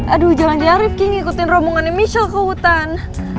aduh jangan jangan rivki ngikutin rombongannya michelle ke hutan